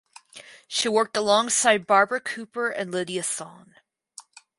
She worked alongside Barbara Cooper and Lydia Sohn.